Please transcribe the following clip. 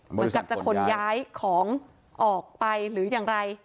เหมือนกับจะขนย้ายของออกไปหรืออย่างไร